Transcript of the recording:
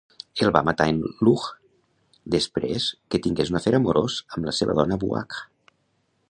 El va matar en Lugh després que tingués un afer amorós amb la seva dona Buach.